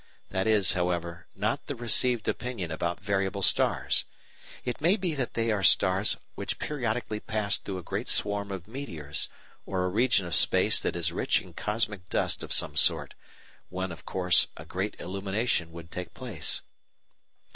That is, however, not the received opinion about variable stars. It may be that they are stars which periodically pass through a great swarm of meteors or a region of space that is rich in cosmic dust of some sort, when, of course, a great illumination would take place.